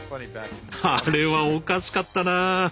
あれはおかしかったな！